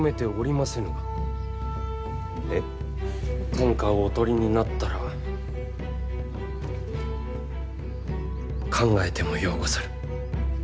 天下をお取りになったら考えてもようござる。